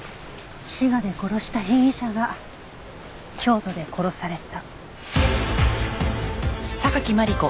滋賀で殺した被疑者が京都で殺された？